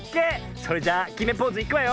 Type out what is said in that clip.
それじゃあきめポーズいくわよ。